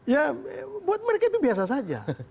ya buat mereka itu biasa saja